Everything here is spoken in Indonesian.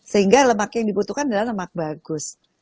sehingga lemak yang dibutuhkan adalah lemak bagus